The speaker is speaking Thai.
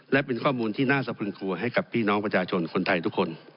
และเป็นข้อมูลที่น่าสะพึงกลัวให้กับพี่น้องประชาชนคนไทยทุกคน